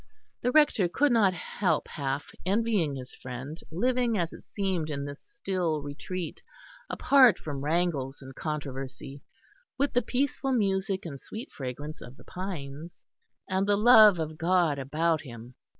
The Rector could not help half envying his friend, living, as it seemed, in this still retreat, apart from wrangles and controversy, with the peaceful music and sweet fragrance of the pines, and the Love of God about him.